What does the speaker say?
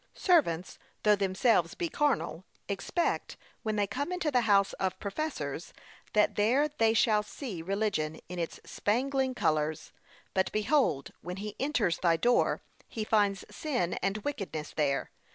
Servants, though themselves be carnal, expect, when they come into the house of professors, that there they shall see religion in its spangling colours; but behold, when he enters thy door, he finds sin and wickedness there.